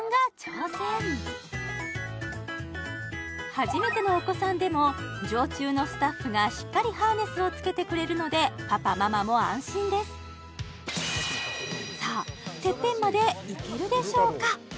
初めてのお子さんでも常駐のスタッフがしっかりハーネスをつけてくれるのでパパママも安心ですさあてっぺんまで行けるでしょうか？